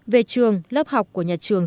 về trường lớp học của nhà trường